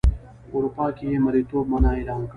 اروپا کې یې مریتوب منع اعلان کړ.